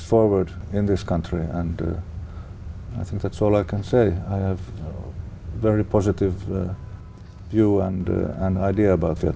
vì vậy tôi nghĩ rằng những điều này là những điểm đặc biệt